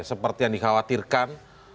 seperti yang dikhawatirkan